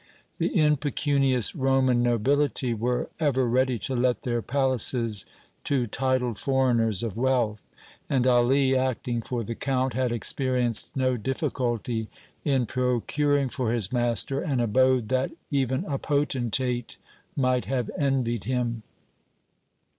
The impecunious Roman nobility were ever ready to let their palaces to titled foreigners of wealth, and Ali, acting for the Count, had experienced no difficulty in procuring for his master an abode that even a potentate might have envied him.